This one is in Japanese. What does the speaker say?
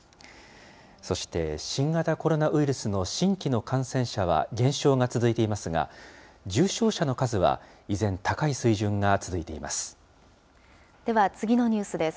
そして、新型コロナウイルスの新規の感染者は減少が続いていますが、重症者の数は依然、高い水準が続いています。